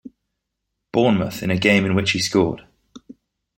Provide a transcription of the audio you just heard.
Bournemouth in a game in which he scored.